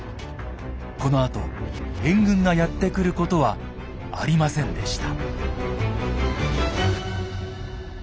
このあと援軍がやって来ることはありませんでした。